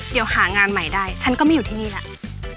เดี๋ยวหางานใหม่ได้ฉันก็ไม่อยู่ที่นี่แหละ